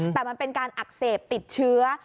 แต่มันเป็นการอักเสบติดเชื้อ